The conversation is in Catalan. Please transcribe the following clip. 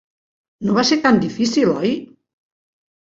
No va ser tan difícil, oi?